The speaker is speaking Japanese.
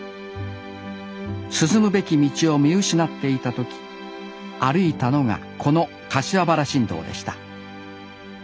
進むべき道を見失っていた時歩いたのがこの柏原新道でした